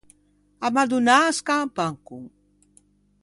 A madonnâ a scampa ancon.